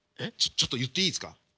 ちょっと言っていいすか？